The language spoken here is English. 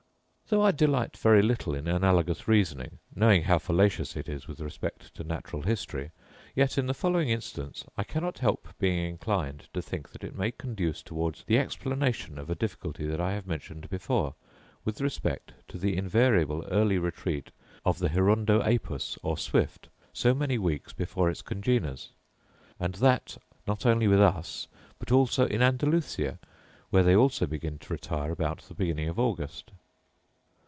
Though I delight very little in analogous reasoning, knowing how fallacious it is with respect to natural history; yet, in the following instance, I cannot help being inclined to think it may conduce towards the explanation of a difficulty that I have mentioned before, with respect to the invariable early retreat of the hirundo apus, or swift, so many weeks before its congeners; and that not only with us, but also in Andalusia, where they also begin to retire about the beginning of August.